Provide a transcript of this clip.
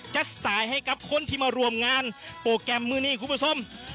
จัดสายให้กับคนที่มารวมงานโปรแกรมมื้อนี้ครูประสม